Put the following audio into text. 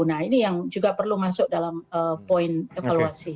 nah ini yang juga perlu masuk dalam poin evaluasi